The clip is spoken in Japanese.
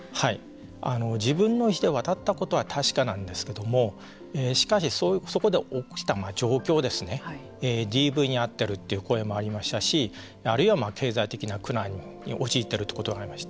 自分の意思で渡ったことは確かなんですけれどもしかし、そこで起きた状況ですねＤＶに遭っているという声もありましたしあるいは経済的な苦難に陥っているということがありました。